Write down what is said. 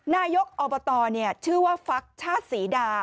นายกฮออเบอร์ตอร์ที่ชื่อว่าฟักชาตรสีดา